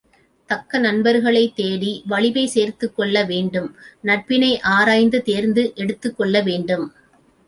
தக்க நண்பர்களைத் தேடி வலிமை சேர்த்துக்கொள்ள வேண்டும் நட்பினை ஆராய்ந்து தேர்ந்து எடுத்துக்கொள்ள வேண்டும்.